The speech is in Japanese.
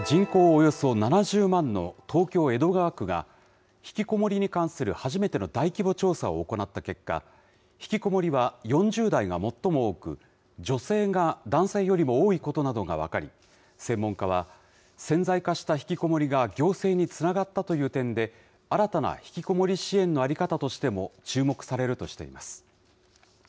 およそ７０万の東京・江戸川区が、ひきこもりに関する初めての大規模調査を行った結果、ひきこもりは４０代が最も多く、女性が男性よりも多いことなどが分かり、専門家は潜在化したひきこもりが行政につながったという点で、新たなひきこもりの支援の在り方としても注目されるとしています。